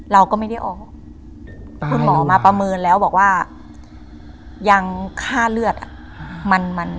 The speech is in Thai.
เราก็ไม่ได้ออกคุณหมอมาประเมินแล้วบอกว่ายังค่าเลือดอ่ะ